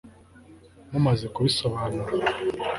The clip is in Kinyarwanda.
mumaze kubisobanura